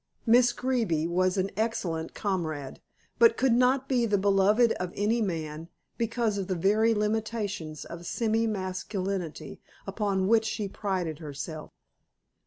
Miss Greeby was an excellent comrade, but could not be the beloved of any man, because of the very limitations of semi masculinity upon which she prided herself.